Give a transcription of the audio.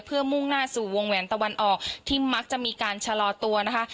เพื่อมุ่งหน้าสู่วงแหวนตะวันออกที่มักจะมีการชะลอตัวนะคะ